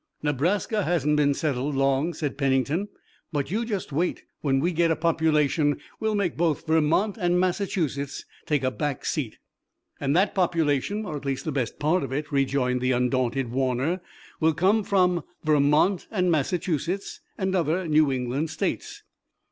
"Nebraska hasn't been settled long," said Pennington, "but you just wait. When we get a population we'll make both Vermont and Massachusetts take a back seat." "And that population, or at least the best part of it," rejoined the undaunted Warner, "will come from Vermont and Massachusetts and other New England states."